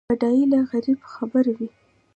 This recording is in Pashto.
بډای له غریب خبر وي.